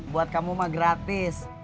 buat kamu mah gratis